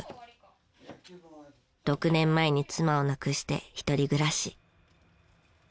６年前に妻を亡くして１人暮らし。